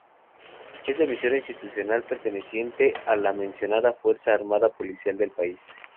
Es la emisora institucional perteneciente a la mencionada fuerza armada policial del país.